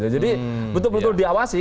jadi betul betul diawasi